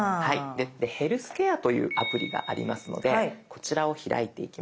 で「ヘルスケア」というアプリがありますのでこちらを開いていきます。